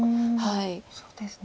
そうですね。